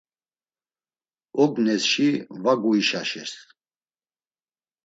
Ognesşi va guişaşes.